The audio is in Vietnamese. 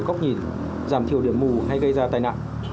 góc nhìn giảm thiểu điểm mù hay gây ra tai nạn